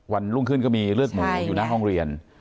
วันรุ่งขึ้นก็มีเลือดหมูอยู่หน้าห้องเรียน